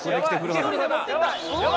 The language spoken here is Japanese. １人で持ってった。